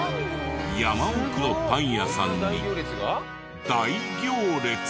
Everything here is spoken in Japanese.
山奥のパン屋さんに大行列。